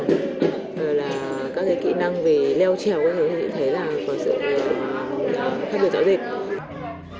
rồi là các kỹ năng về leo trèo các thứ chị thấy có sự khác biệt rõ rịnh